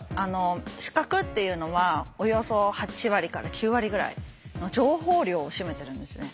視覚っていうのはおよそ８割から９割ぐらいの情報量を占めてるんですね。